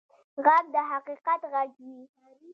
غږ د حقیقت غږ وي